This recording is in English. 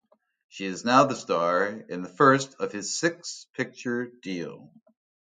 She is now the star in the first of his six-picture deal.